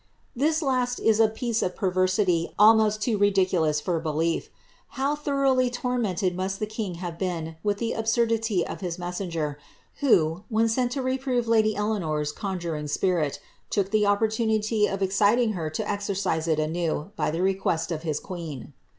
This last is a piece of perversity almost too riciculous for belief. How thoroughly tormented must the king have ■ fen with the absurdity of his messenger, who, when sent to reprove i3fW Eleanor's conjuring spirit, took tlie opportunity of exciting lier to "XF rcise it anew, by the request of his queen.